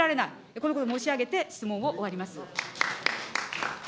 このことを申し上げて質問を終わります。